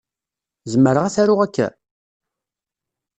Zemreɣ ad t-aruɣ akka?